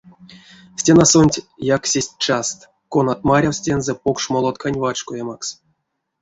Стенасонть яксесть част, конат марявсть тензэ покш молоткань вачкоемакс.